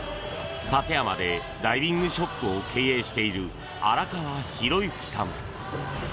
館山でダイビングショップを経営している荒川寛幸さん。